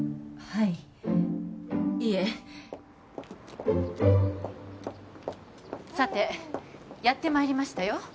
はいいえさてやってまいりましたよ